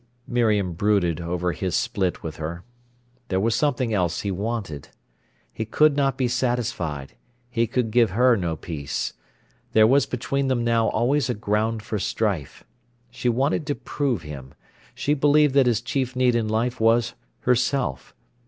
Miriam brooded over his split with her. There was something else he wanted. He could not be satisfied; he could give her no peace. There was between them now always a ground for strife. She wanted to prove him. She believed that his chief need in life was herself.